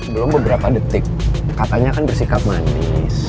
belum beberapa detik katanya kan bersikap manis